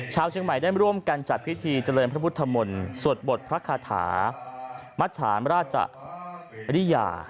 ชาวเชียงใหม่ได้ร่วมกันจัดพิธีเจริญพระพุทธมนต์สวดบทพระคาถามัชชามราชริยา